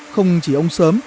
không chỉ ông sơn